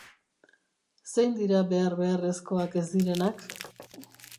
Zein dira behar beharrezkoak ez direnak?